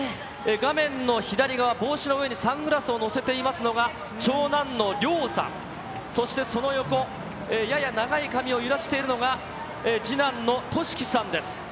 画面の左側、帽子の上にサングラスを載せていますのが長男の凌央さん、そしてその横、やや長い髪を揺らしているのが次男の隼輝さんです。